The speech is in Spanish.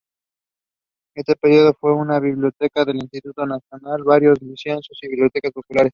En este periodo fundó la biblioteca del Instituto Nacional, varios liceos y bibliotecas populares.